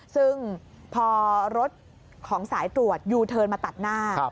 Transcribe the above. ซึ่งพอรถของสายตรวจยูเทิร์นมาตัดหน้า